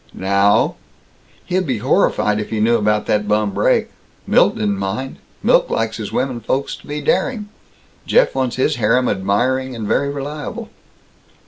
Now: "He'd be horrified if he knew about that bum brake. Milt didn't mind. Milt likes his womenfolks to be daring. Jeff wants his harem admiring and very reliable."